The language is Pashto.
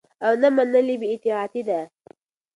او نه منل يي بي اطاعتي ده